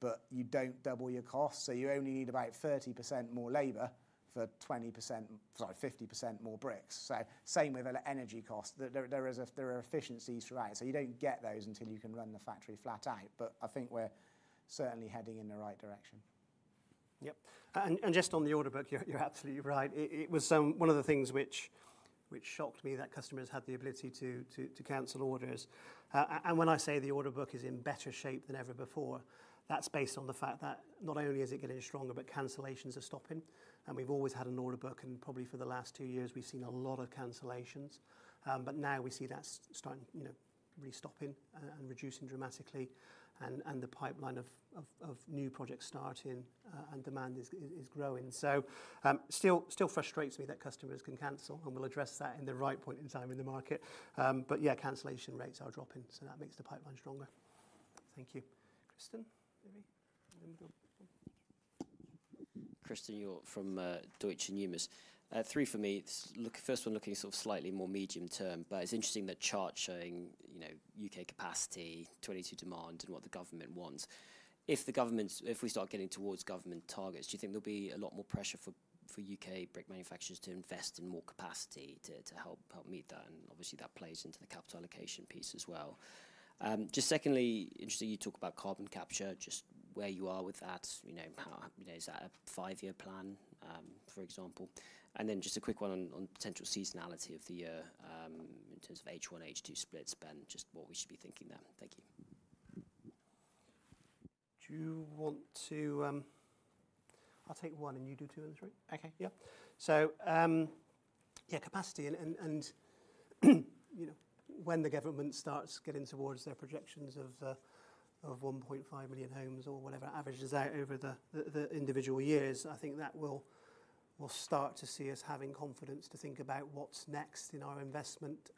but you don't double your costs. You only need about 30% more labor for 50% more bricks. Same with energy costs. There are efficiencies throughout. You don't get those until you can run the factory flat out. I think we're certainly heading in the right direction. Yep. Just on the order book, you're absolutely right. It was one of the things which shocked me that customers had the ability to cancel orders. When I say the order book is in better shape than ever before, that's based on the fact that not only is it getting stronger, but cancellations are stopping. We've always had an order book, and probably for the last two years, we've seen a lot of cancellations. Now we see that's really stopping and reducing dramatically, and the pipeline of new projects starting and demand is growing. It still frustrates me that customers can cancel, and we'll address that at the right point in time in the market. Yeah, cancellation rates are dropping, so that makes the pipeline stronger. Thank you. Christen. Christen Hjorth from Deutsche Numis. Three for me. First one looking sort of slightly more medium term, but it's interesting that chart showing U.K. capacity, 2022 demand, and what the government wants. If we start getting towards government targets, do you think there'll be a lot more pressure for U.K. brick manufacturers to invest in more capacity to help meet that? Obviously, that plays into the capital allocation piece as well. Just secondly, interesting you talk about carbon capture, just where you are with that. Is that a five-year plan, for example? And then just a quick one on potential seasonality of the year in terms of H1, H2 splits, Ben, just what we should be thinking there. Thank you. Do you want to? I'll take one and you do two and three. Okay. Yeah. Capacity and when the government starts getting towards their projections of 1.5 million homes or whatever averages out over the individual years, I think that will start to see us having confidence to think about what's next in our investment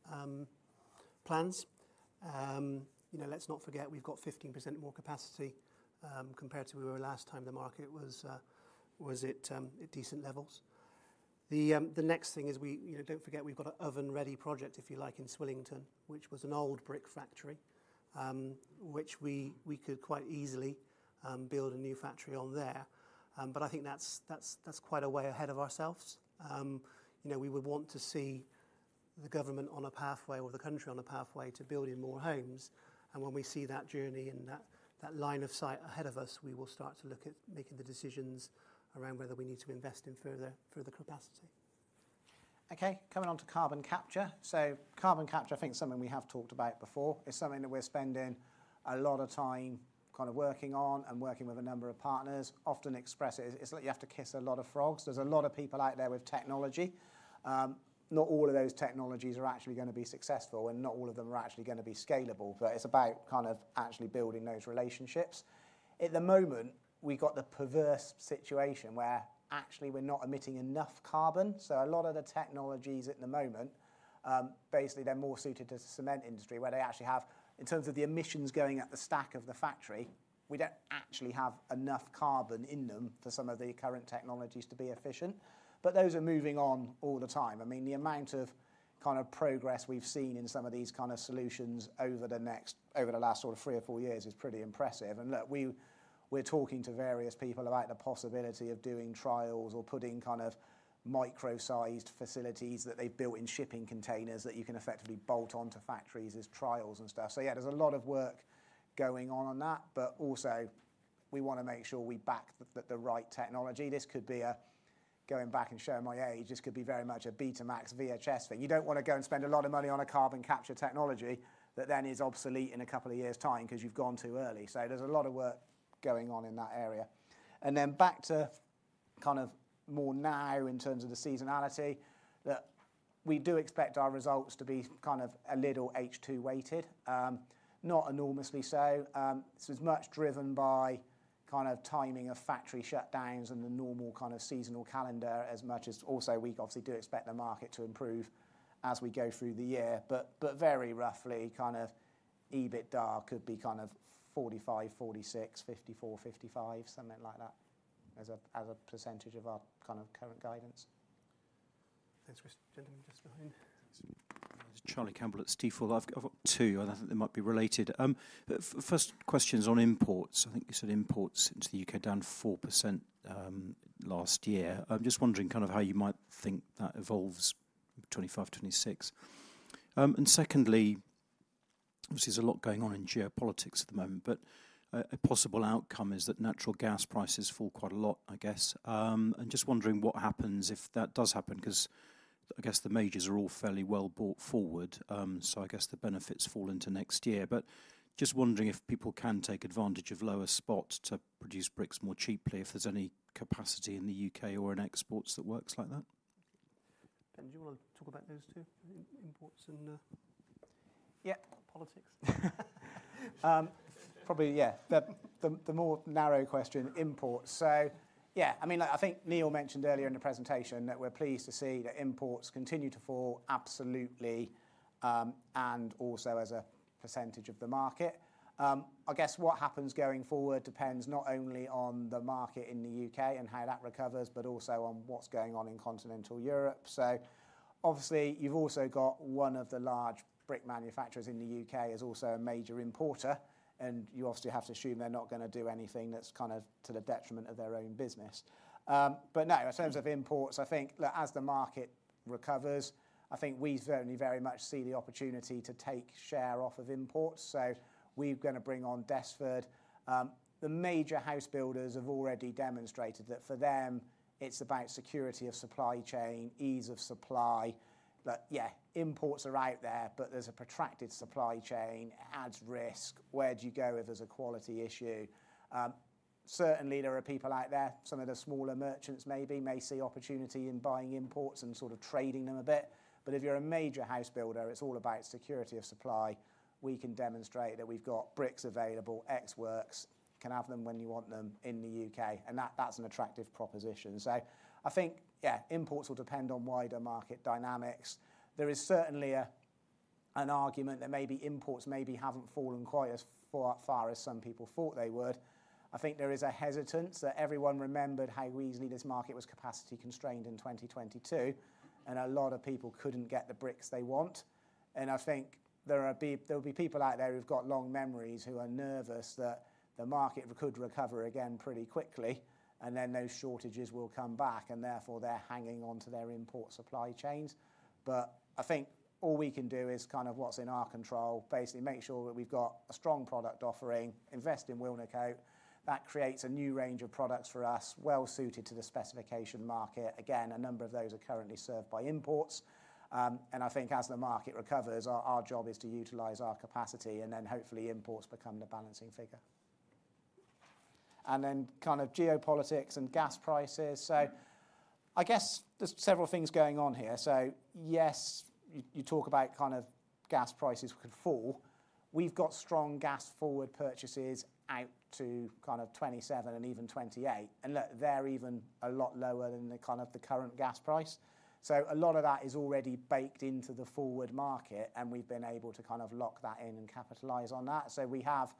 plans. Let's not forget we've got 15% more capacity compared to where we were last time the market was at decent levels. The next thing is we don't forget we've got an oven-ready project, if you like, in Swillington, which was an old brick factory, which we could quite easily build a new factory on there. I think that's quite a way ahead of ourselves. We would want to see the government on a pathway or the country on a pathway to building more homes. When we see that journey and that line of sight ahead of us, we will start to look at making the decisions around whether we need to invest in further capacity. Okay. Coming on to carbon capture. Carbon capture, I think, is something we have talked about before. It's something that we're spending a lot of time kind of working on and working with a number of partners. Often express it, it's like you have to kiss a lot of frogs. are a lot of people out there with technology. Not all of those technologies are actually going to be successful, and not all of them are actually going to be scalable, but it is about kind of actually building those relationships. At the moment, we have got the perverse situation where actually we are not emitting enough carbon. So a lot of the technologies at the moment, basically, they are more suited to the cement industry where they actually have, in terms of the emissions going at the stack of the factory, we do not actually have enough carbon in them for some of the current technologies to be efficient. Those are moving on all the time. I mean, the amount of kind of progress we have seen in some of these kind of solutions over the last three or four years is pretty impressive. Look, we're talking to various people about the possibility of doing trials or putting kind of micro-sized facilities that they've built in shipping containers that you can effectively bolt onto factories as trials and stuff. Yeah, there's a lot of work going on on that, but also we want to make sure we back the right technology. This could be a, going back and showing my age, this could be very much a Betamax VHS thing. You don't want to go and spend a lot of money on a carbon capture technology that then is obsolete in a couple of years' time because you've gone too early. There's a lot of work going on in that area. Back to kind of more now in terms of the seasonality, we do expect our results to be kind of a little H2-weighted, not enormously so. This is much driven by kind of timing of factory shutdowns and the normal kind of seasonal calendar as much as also we obviously do expect the market to improve as we go through the year. Very roughly, kind of EBITDA could be kind of 45, 46, 54, 55, something like that as a percentage of our kind of current guidance. Thanks, Cristen. Gentlemen just behind. Charlie Campbell at Stifel. I have two, and I think they might be related. First, questions on imports. I think you said imports into the U.K. down 4% last year. I am just wondering kind of how you might think that evolves in 2025, 2026. Secondly, obviously, there is a lot going on in geopolitics at the moment, but a possible outcome is that natural gas prices fall quite a lot, I guess. Just wondering what happens if that does happen because I guess the majors are all fairly well bought forward, so I guess the benefits fall into next year. Just wondering if people can take advantage of lower spots to produce bricks more cheaply if there is any capacity in the U.K. or in exports that works like that. Ben, do you want to talk about those two? Imports and, yeah, Politics. Probably, yeah, the more narrow question, imports. I mean, I think Neil mentioned earlier in the presentation that we are pleased to see that imports continue to fall absolutely and also as a percentage of the market. I guess what happens going forward depends not only on the market in the U.K. and how that recovers, but also on what is going on in continental Europe. Obviously, you've also got one of the large brick manufacturers in the U.K. is also a major importer, and you obviously have to assume they're not going to do anything that's kind of to the detriment of their own business. No, in terms of imports, I think, look, as the market recovers, I think we certainly very much see the opportunity to take share off of imports. We're going to bring on Desford. The major house builders have already demonstrated that for them, it's about security of supply chain, ease of supply. Imports are out there, but there's a protracted supply chain. It adds risk. Where do you go if there's a quality issue? Certainly, there are people out there. Some of the smaller merchants maybe may see opportunity in buying imports and sort of trading them a bit. If you're a major house builder, it's all about security of supply. We can demonstrate that we've got bricks available, ex-works, can have them when you want them in the U.K. That is an attractive proposition. I think, yeah, imports will depend on wider market dynamics. There is certainly an argument that maybe imports maybe haven't fallen quite as far as some people thought they would. I think there is a hesitance that everyone remembered how easily this market was capacity constrained in 2022, and a lot of people couldn't get the bricks they want. I think there will be people out there who've got long memories who are nervous that the market could recover again pretty quickly, and then those shortages will come back, and therefore they're hanging on to their import supply chains. I think all we can do is kind of what's in our control, basically make sure that we've got a strong product offering. Invest in Wilnecote. That creates a new range of products for us well suited to the specification market. Again, a number of those are currently served by imports. I think as the market recovers, our job is to utilize our capacity and then hopefully imports become the balancing figure. Kind of geopolitics and gas prices. I guess there are several things going on here. Yes, you talk about kind of gas prices could fall. We've got strong gas forward purchases out to 2027 and even 2028. Look, they're even a lot lower than the current gas price. A lot of that is already baked into the forward market, and we've been able to kind of lock that in and capitalize on that. We have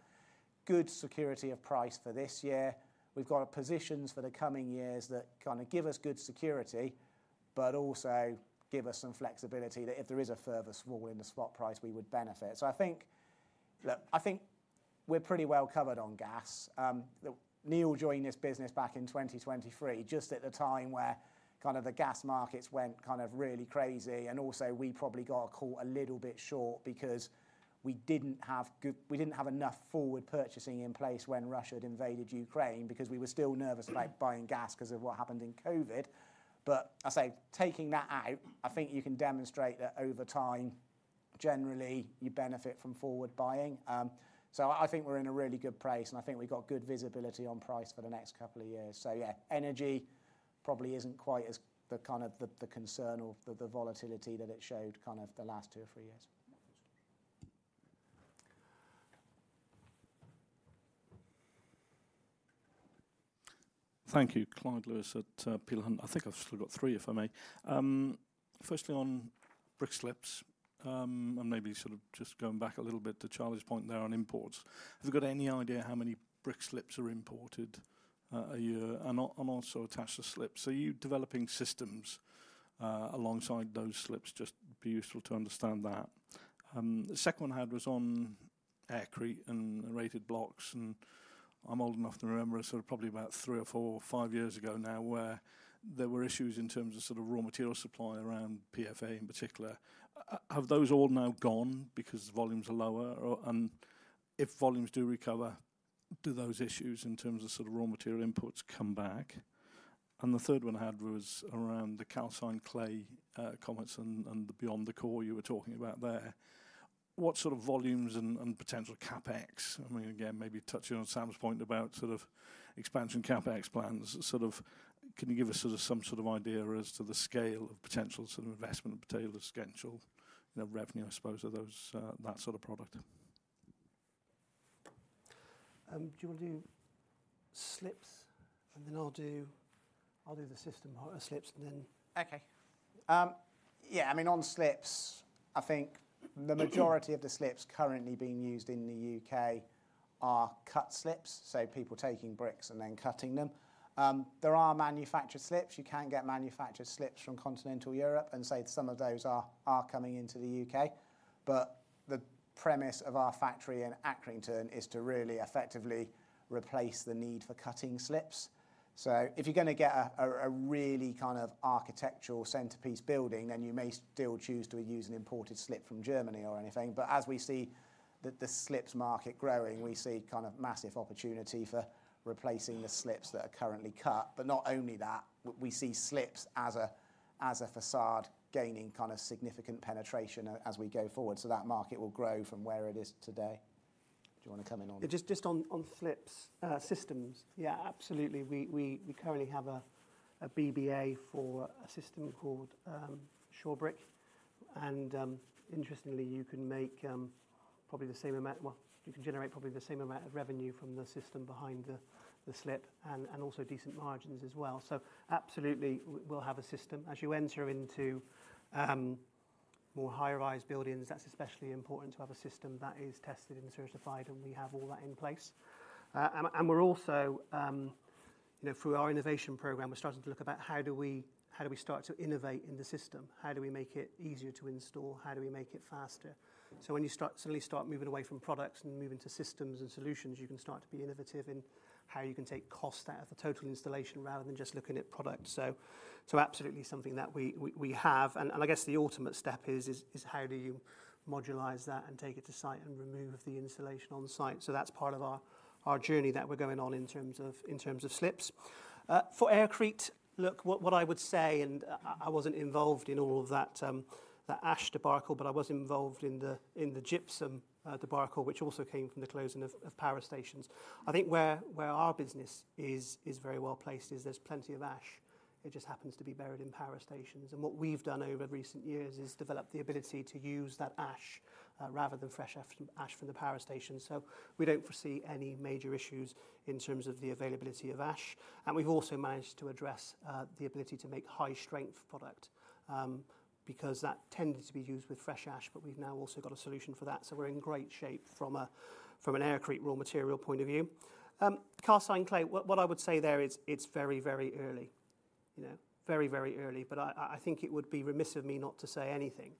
good security of price for this year. We've got positions for the coming years that kind of give us good security, but also give us some flexibility that if there is a further swallow in the spot price, we would benefit. I think we're pretty well covered on gas. Neil joined this business back in 2023, just at the time where kind of the gas markets went kind of really crazy. Also, we probably got caught a little bit short because we didn't have enough forward purchasing in place when Russia had invaded Ukraine because we were still nervous about buying gas because of what happened in COVID. I say taking that out, I think you can demonstrate that over time, generally, you benefit from forward buying. I think we're in a really good place, and I think we've got good visibility on price for the next couple of years. Yeah, energy probably isn't quite as the kind of the concern or the volatility that it showed the last two or three years. Thank you. Clyde Lewis at Peel Hunt. I think I've still got three, if I may. Firstly on brick slips, and maybe sort of just going back a little bit to Charlie's point there on imports. Have you got any idea how many brick slips are imported a year and also attached to slips? Are you developing systems alongside those slips? Just be useful to understand that. The second one I had was on aircrete and rated blocks. I'm old enough to remember, probably about three or four or five years ago now, where there were issues in terms of sort of raw material supply around PFA in particular. Have those all now gone because volumes are lower? If volumes do recover, do those issues in terms of sort of raw material inputs come back? The third one I had was around the calcined clay cements and the beyond the core you were talking about there. What sort of volumes and potential CapEx? I mean, again, maybe touching on Sam's point about sort of expansion CapEx plans, can you give us some sort of idea as to the scale of potential investment, potential schedule, revenue, I suppose, of that sort of product? Do you want to do slips? I'll do the system slips and then. Yeah, I mean, on slips, I think the majority of the slips currently being used in the U.K. are cut slips, so people taking bricks and then cutting them. There are manufactured slips. You can get manufactured slips from continental Europe and say some of those are coming into the U.K. The premise of our factory in Accrington is to really effectively replace the need for cutting slips. If you're going to get a really kind of architectural centerpiece building, then you may still choose to use an imported slip from Germany or anything. As we see the slips market growing, we see kind of massive opportunity for replacing the slips that are currently cut. Not only that, we see slips as a facade gaining kind of significant penetration as we go forward. That market will grow from where it is today. Do you want to come in on? Just on slips, systems. Yeah, absolutely. We currently have a BBA for a system called SureBrick. Interestingly, you can make probably the same amount, well, you can generate probably the same amount of revenue from the system behind the slip and also decent margins as well. Absolutely, we will have a system. As you enter into more high-rise buildings, that is especially important to have a system that is tested and certified, and we have all that in place. We are also, through our innovation program, starting to look about how do we start to innovate in the system? How do we make it easier to install? How do we make it faster? When you suddenly start moving away from products and moving to systems and solutions, you can start to be innovative in how you can take cost out of the total installation rather than just looking at products. Absolutely something that we have. I guess the ultimate step is how do you modulise that and take it to site and remove the insulation on site? That is part of our journey that we are going on in terms of slips. For aircrete, look, what I would say, and I was not involved in all of that ash debacle, but I was involved in the gypsum debacle, which also came from the closing of power stations. I think where our business is very well placed is there is plenty of ash. It just happens to be buried in power stations. What we have done over recent years is develop the ability to use that ash rather than fresh ash from the power station. We do not foresee any major issues in terms of the availability of ash. We have also managed to address the ability to make high-strength product because that tended to be used with fresh ash, but we have now also got a solution for that. We are in great shape from an aircrete raw material point of view. Calcined clay, what I would say there is it is very, very early. Very, very early, but I think it would be remiss of me not to say anything.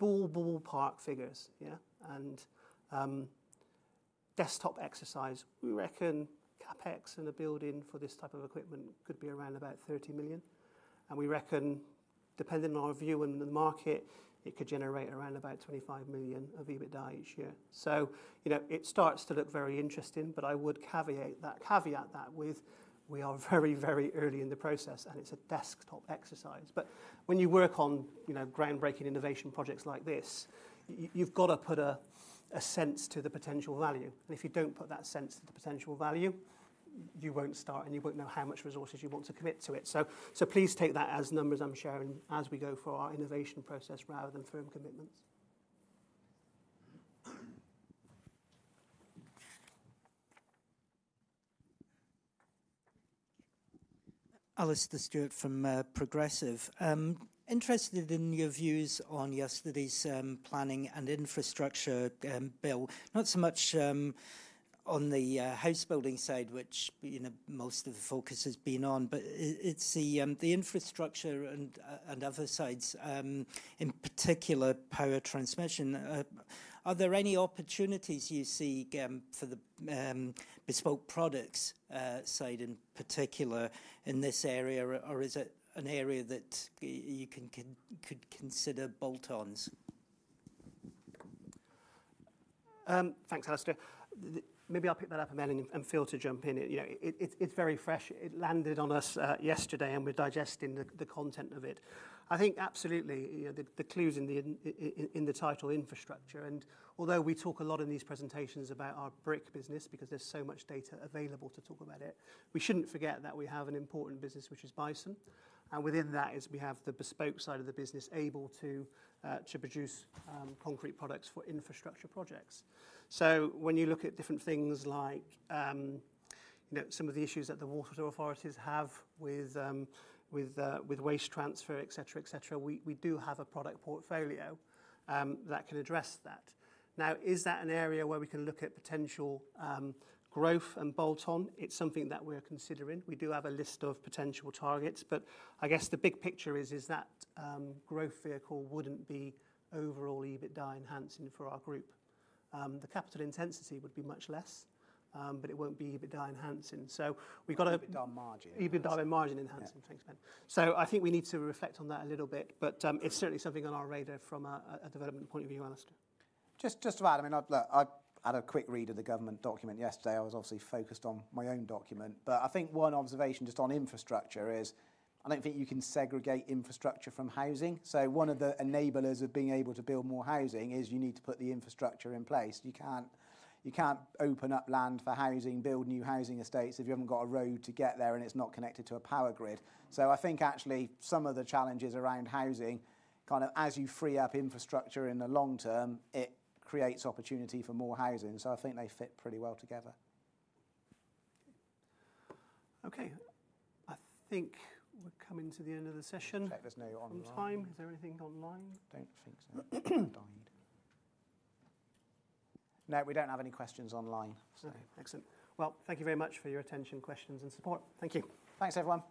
Ballpark figures, yeah? A desktop exercise, we reckon CapEx in a building for this type of equipment could be around 30 million. We reckon, depending on our view and the market, it could generate around 25 million of EBITDA each year. It starts to look very interesting. I would caveat that with we are very, very early in the process, and it is a desktop exercise. When you work on groundbreaking innovation projects like this, you have to put a sense to the potential value. If you do not put that sense to the potential value, you will not start, and you will not know how much resources you want to commit to it. Please take that as numbers I am sharing as we go for our innovation process rather than firm commitments. Alastair Stewart from Progressive. Interested in your views on yesterday's planning and infrastructure bill. Not so much on the house building side, which most of the focus has been on, but it is the infrastructure and other sides, in particular power transmission. Are there any opportunities you see for the bespoke products side in particular in this area, or is it an area that you could consider bolt-ons? Thanks, Alastair. Maybe I will pick that up a moment and feel free to jump in. It is very fresh. It landed on us yesterday, and we are digesting the content of it. I think absolutely the clue is in the title infrastructure. Although we talk a lot in these presentations about our brick business because there is so much data available to talk about it, we should not forget that we have an important business, which is Bison. Within that, we have the bespoke side of the business able to produce concrete products for infrastructure projects. When you look at different things like some of the issues that the water authorities have with waste transfer, etc., etc., we do have a product portfolio that can address that. Now, is that an area where we can look at potential growth and bolt-on? It's something that we're considering. We do have a list of potential targets, but I guess the big picture is that growth vehicle wouldn't be overall EBITDA enhancing for our group. The capital intensity would be much less, but it won't be EBITDA enhancing. We have got to EBITDA margin. EBITDA and margin enhancing. Thanks, Ben. I think we need to reflect on that a little bit, but it's certainly something on our radar from a development point of view, Alastair. Just about, I mean, I had a quick read of the government document yesterday. I was obviously focused on my own document. I think one observation just on infrastructure is I do not think you can segregate infrastructure from housing. One of the enablers of being able to build more housing is you need to put the infrastructure in place. You cannot open up land for housing, build new housing estates if you have not got a road to get there and it is not connected to a power grid. I think actually some of the challenges around housing, kind of as you free up infrastructure in the long term, it creates opportunity for more housing. I think they fit pretty well together. Okay. I think we are coming to the end of the session. There is no online. Is there anything online? Do not think so. Uncertain. No, we do not have any questions online. Excellent. Thank you very much for your attention, questions, and support. Thank you. Thanks, everyone.